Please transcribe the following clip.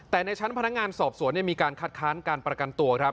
แต่ในชั้นพนักงานสอบสวนมีการคัดค้านการประกันตัวครับ